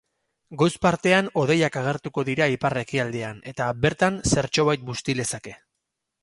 Goiz partean hodeiak agertuko dira ipar-ekialdean, eta bertan zertxobait busti lezake.